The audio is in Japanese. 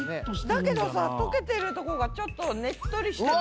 だけどさ溶けてるとこがちょっとねっとりして。